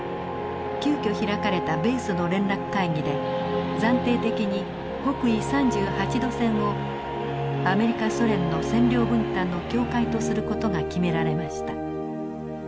急きょ開かれた米ソの連絡会議で暫定的に北緯３８度線をアメリカソ連の占領分担の境界とする事が決められました。